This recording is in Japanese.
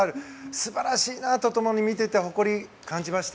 素晴らしいなと見ていて誇りに感じました。